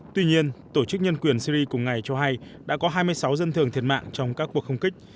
tuy nhiên tổ chức nhân quyền syri cùng ngày cho hay đã có hai mươi sáu dân thường thiệt mạng trong các cuộc không kích